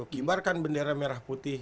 dikibarkan bendera merah putih